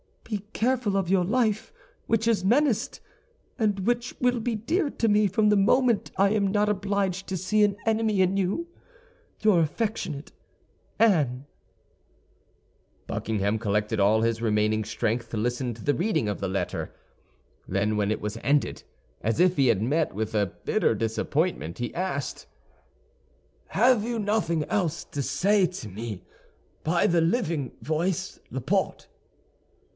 "Be careful of your life, which is menaced, and which will be dear to me from the moment I am not obliged to see an enemy in you. "Your affectionate "ANNE" Buckingham collected all his remaining strength to listen to the reading of the letter; then, when it was ended, as if he had met with a bitter disappointment, he asked, "Have you nothing else to say to me by the living voice, Laporte?"